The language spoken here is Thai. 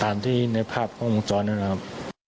ตามที่ในภาพ่องของจ้อนนั้นนะครับ